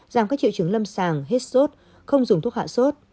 giảm các triệu chứng lâm sàng hết sốt không dùng thuốc hạ sốt